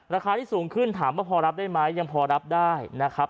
ราคาที่สูงขึ้นถามว่าพอรับได้ไหมยังพอรับได้นะครับ